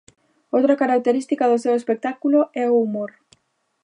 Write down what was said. Outra característica do seu espectáculo é o humor.